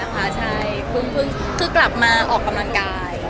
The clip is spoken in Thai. ก็คือกลับมาออกกำลังกาย